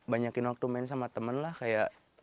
banyakin waktu main sama temen lah kayak